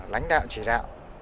lãnh đạo chỉ đạo